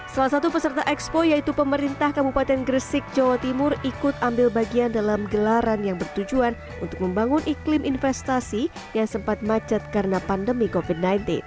salah satu peserta ekspo yaitu pemerintah kabupaten gresik jawa timur ikut ambil bagian dalam gelaran yang bertujuan untuk membangun iklim investasi yang sempat macet karena pandemi covid sembilan belas